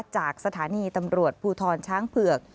จากสถานีตำรวจภูทรช้างเผือก